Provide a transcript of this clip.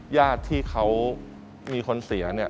ญาติที่เขามีคนเสีย